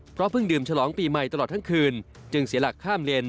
เพราะเพิ่งดื่มฉลองปีใหม่ตลอดทั้งคืนจึงเสียหลักข้ามเลน